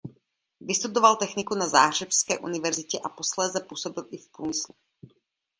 Vystudoval techniku na Záhřebské univerzitě a posléze působil v průmyslu.